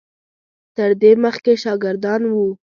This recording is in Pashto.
تر دې مخکې شاګردان وو.